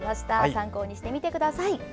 参考にしてみてください。